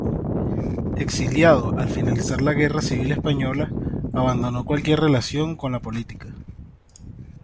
Exiliado al finalizar la Guerra Civil Española, abandonó cualquier relación con la política.